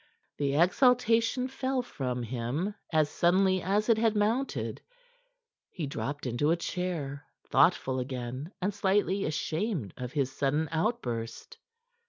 The exaltation fell from him as suddenly as it had mounted. He dropped into a chair, thoughtful again and slightly ashamed of his sudden outburst.